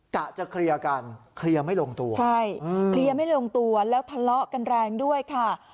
กะจะเคลียร์กันเคลียร์ไม่ลงตัวใช่เคลียร์ไม่ลงตัวแล้วทะเลาะกันแรงด้วยค่ะ